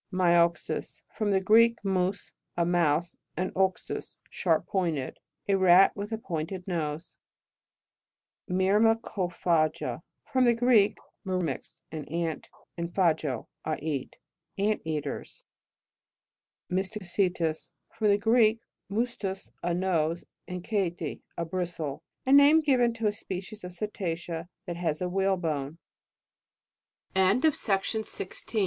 MYOXUS. From the Greek, mus, a mouse, and ozus, sharp pointed. A rat with a pointed nose. MVRMECOPHAGA. From the Greek, murmex, an ant, and phago, I eat. Ant eaters. MYSTECETUS. From the Greek, mus tus, a nose, and chaite a bristle. A name given to a species of Cetacea, that has whalebone. WARES. Latin. The nostrils.